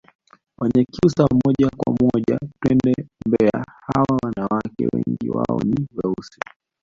Wanyakyusa moja kwa moja twende mbeya hawa wanawake wengi wao ni weusi